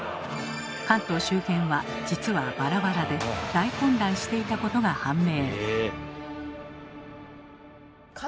関東周辺は実はバラバラで大混乱していたことが判明。